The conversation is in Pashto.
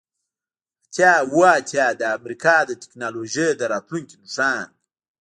اتیا اوه اتیا د امریکا د ټیکنالوژۍ د راتلونکي نښان